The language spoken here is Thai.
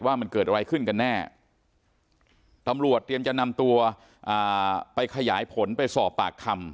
ว่ามันเกิดอะไรขึ้นกันแน่ตำรวจเตรียมจะนำตัวไปขยายผลไปสอบปากคำ